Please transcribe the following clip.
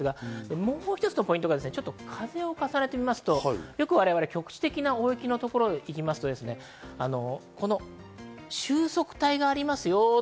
もう一つのポイントが風を重ねてみますと、局地的な大雪のところを見ていきますと、収束帯がありますよ。